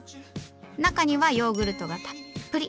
中にはヨーグルトがたっぷり。